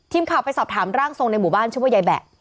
ทีมข่าวไปสอบถามร่างทรงในหมู่บ้านชื่อว่ายายแบะ